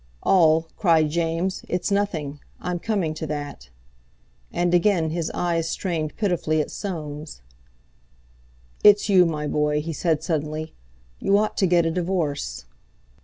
"All!" cried James; "it's nothing. I'm coming to that." And again his eyes strained pitifully at Soames. "It's you, my boy," he said suddenly; "you ought to get a divorce."